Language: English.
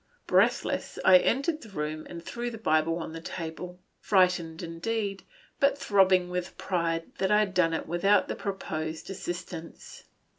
Breathless, I entered the room and threw the Bible on the table, frightened indeed, but throbbing with pride that I had done it without the proposed assistance.